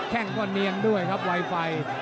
แค่งก็เนียงด้วยครับไวไฟ